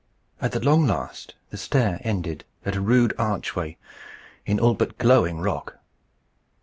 At the long last, the stair ended at a rude archway in an all but glowing rock.